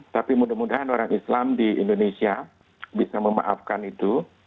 tapi mudah mudahan orang islam di indonesia bisa memaafkan itu